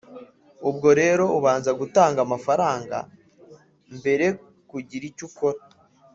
Ubwo rero ubanza gutanga amafaranga mbere kugira icyo ukora